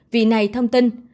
vì này thông tin